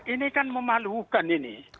ini kan memalukan ini